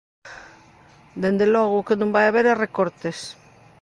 Dende logo o que non vai haber é recortes.